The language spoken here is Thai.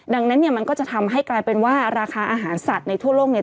ดังนั้นเนี่ยมันก็จะทำให้กลายเป็นว่าราคาอาหารสัตว์ในทั่วโลกเนี่ย